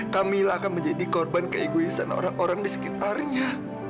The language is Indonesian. kami akan menjadi korban keegoisan orang orang di sekitarnya